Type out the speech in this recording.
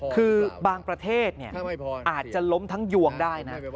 คือบางประเทศอาจจะล้มทั้งยวงได้นะ